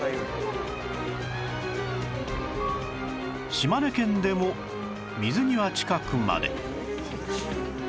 島根県でも水際近くまで